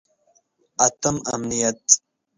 اتم: امنیت.